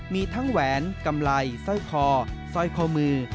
มีทั้งแหวนกำไรสร้อยคอสร้อยคอมือ